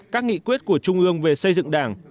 các nghị quyết của trung ương về xây dựng đảng